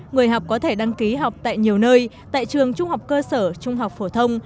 người học có thể đăng ký học tại nhiều nơi tại trường trung học cơ sở trung học phổ thông